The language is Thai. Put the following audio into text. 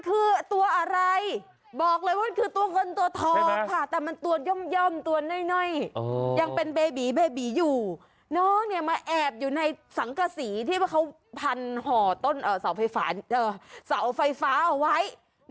อุ้ยคุณพี่